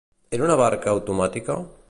Era una barca automàtica?